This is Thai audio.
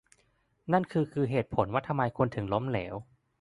นั่นคือคือเหตุผลว่าทำไมคุณถึงล้มเหลว